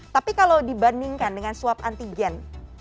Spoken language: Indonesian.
tapi kalau dibandingkan dengan swab antigen